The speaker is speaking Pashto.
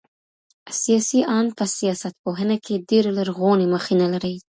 سياسي آند په سياست پوهنه کي ډېره لرغونې مخېنه لري.